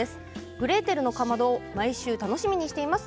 「グレーテルのかまど」を毎週、楽しみにしています。